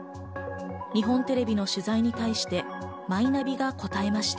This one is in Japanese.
日本テレビの取材に対してマイナビが答えました。